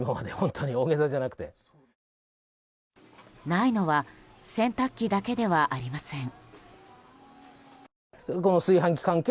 ないのは洗濯機だけではありません。